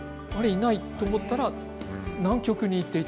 いないと思ったら南極に行っていた。